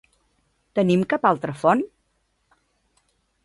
Tenim cap altra font?